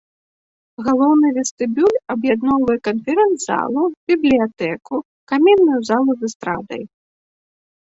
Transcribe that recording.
Галоўны вестыбюль аб'ядноўвае канферэнц-залу, бібліятэку, камінную залу з эстрадай.